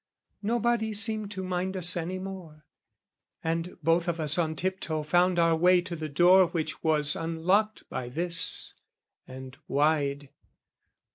Nobody seemed to mind us any more, And both of us on tiptoe found our way To the door which was unlocked by this, and wide.